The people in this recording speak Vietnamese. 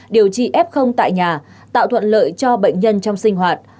điều trị f tại nhà tạo thuận lợi cho bệnh nhân trong sinh hoạt